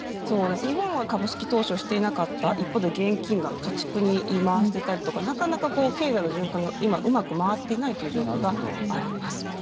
そうです、日本は株式投資をしていなかった一方で現金が、貯蓄に回していたりとか、なかなかこう、経済の循環が今、うまく回っていないという状況があります。